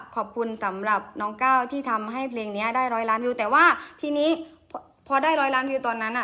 ขอบคุณสำหรับน้องก้าวที่ทำให้เพลงนี้ได้ร้อยล้านวิวแต่ว่าทีนี้พอได้ร้อยล้านวิวตอนนั้นอ่ะ